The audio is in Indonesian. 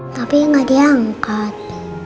tapi gak diangkat